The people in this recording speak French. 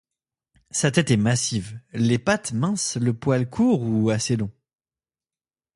Sa tête est massive, les pattes minces, le poil court ou assez long.